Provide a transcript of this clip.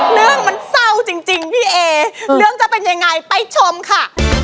เรื่องมันเศร้าจริงพี่เอเรื่องจะเป็นยังไงไปชมค่ะ